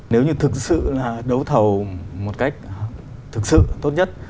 nếu như thực sự là đấu thầu một cách thực sự tốt nhất